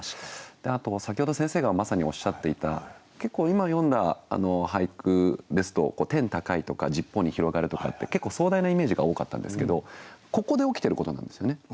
あと先ほど先生がまさにおっしゃっていた結構今読んだ俳句ですと「天高い」とか「十方に広がる」とかって結構壮大なイメージが多かったんですけどここで起きてる事なんですよね。